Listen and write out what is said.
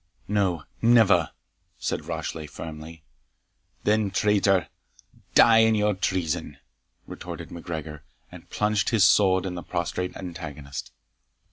"No, never!" said Rashleigh, firmly. "Then, traitor, die in your treason!" retorted MacGregor, and plunged his sword in his prostrate antagonist.